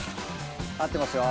合ってますよ。